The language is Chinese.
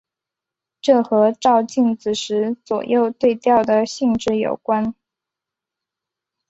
这和照镜子时左右对调的性质有关。